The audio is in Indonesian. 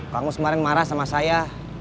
kamu kemarin marah sama saya